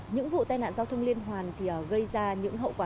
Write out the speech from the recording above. những vụ tai nạn giao thương liên hoàn thì gây ra những hậu quả